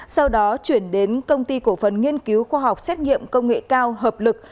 sau đó chuyển đến công ty cổ phần nghiên cứu khoa học xét nghiệm công nghệ cao hợp lực